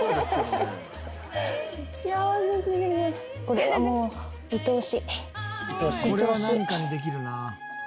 これはなんかにできるな。